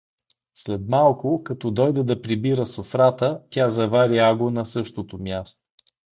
След малко, като дойде да прибира софрата, тя завари Аго на същото място.